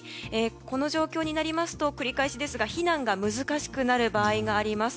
この状況になりますと繰り返しですが避難が難しくなる場合があります。